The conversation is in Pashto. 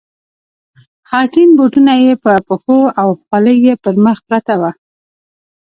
خټین بوټونه یې په پښو او خولۍ یې پر مخ پرته وه.